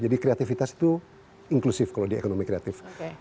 jadi kreatifitas itu inklusif kalau di ekonomi kreatif